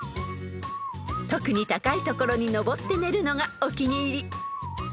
［特に高い所にのぼって寝るのがお気に入り］